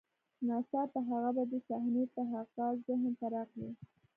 ناڅاپه هغه بدې صحنې د هغه ذهن ته راغلې